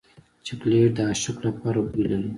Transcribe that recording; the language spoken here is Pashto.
چاکلېټ د عاشق لپاره بوی لري.